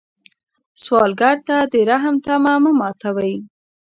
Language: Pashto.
سوالګر ته د رحم تمه مه ماتوي